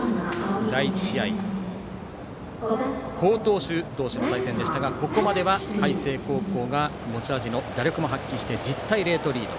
第１試合、好投手同士の対戦でしたがここまでは海星高校が持ち味の打力も発揮して１０対０とリード。